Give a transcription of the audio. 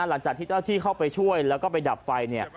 หลังจากที่เจ้าที่เข้าไปช่วยแล้วก็ไปดับไฟเนี่ย